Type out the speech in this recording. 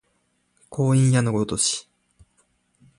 光陰矢のごとし